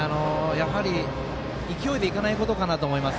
勢いでいかないことかなと思います。